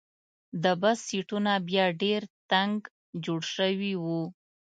د بس سیټونه بیا ډېر تنګ جوړ شوي وو.